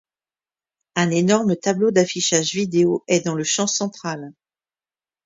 Un énorme tableau d'affichage video est dans le champ central.